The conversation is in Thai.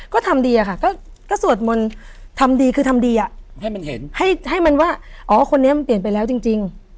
ก็ทำดีอะค่ะก็สวดมนต์ทำดีคือทำดีอ่ะให้มันเห็นให้มันว่าอ๋อคนนี้มันเปลี่ยนไปแล้วจริง